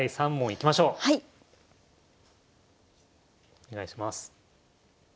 お願いします。